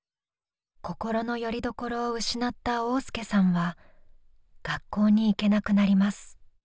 心のよりどころを失った旺亮さんは学校に行けなくなります。